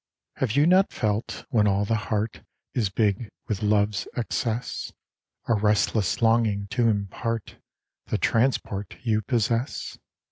Have you not felt, when all the heart Is big with love's excess, A restless longing to impart The transport you possess